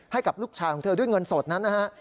ให้กับลูกชายของเธอด้วยเงินสดนั้นนะฮะ